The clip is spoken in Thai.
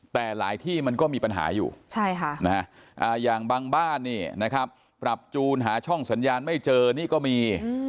แต่หลายที่มันก็มีปัญหาอยู่อย่างบางบ้านนี่นะครับปรับจูนหาช่องสัญญาณไม่เจอนี่ก็มี